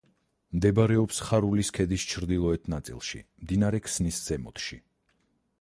მდებარეობს ხარულის ქედის ჩრდილოეთ ნაწილში, მდინარე ქსნის ზემოთში.